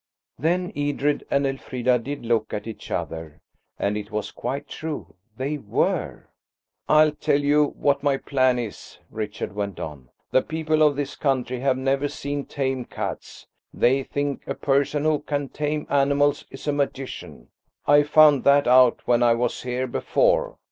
Then Edred and Elfrida did look at each other, and it was quite true, they were. "I'll tell you what my plan is," Richard went on. "The people of this country have never seen tame cats. They think a person who can tame animals is a magician. I found that out when I was here before.